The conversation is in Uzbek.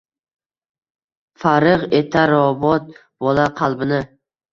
Farig’ etar robot bola qalbini.